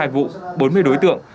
ba mươi hai vụ bốn mươi đối tượng